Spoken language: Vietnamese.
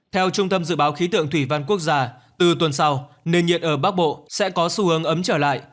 theo trung tâm dự báo khí tượng thủy văn quốc gia từ tuần sau nền nhiệt ở bắc bộ sẽ có xu hướng ấm trở lại